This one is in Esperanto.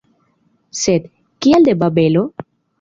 Sed, kial de Babelo?